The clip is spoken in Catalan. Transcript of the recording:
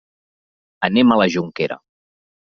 Anem a la Jonquera.